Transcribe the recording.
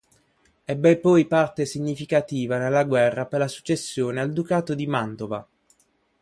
Ebbe poi parte significativa nella guerra per la successione al Ducato di Mantova.